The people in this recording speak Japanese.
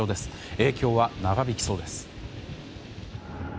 影響は長引きそうです。